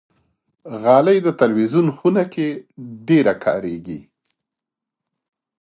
غالۍ د تلویزون خونه کې ډېره کاریږي.